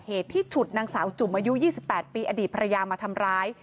เหตุที่ฉุดนางสาวจุ๋มอายุยี่สิบแปดปีอดีตพยายามมาทำร้าย